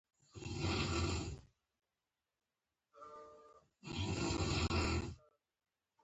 څوک کفن نه ورته اخلي.